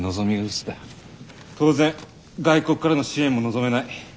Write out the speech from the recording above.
当然外国からの支援も望めない。